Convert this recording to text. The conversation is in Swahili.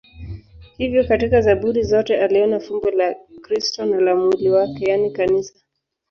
Hivyo katika Zaburi zote aliona fumbo la Kristo na la mwili wake, yaani Kanisa.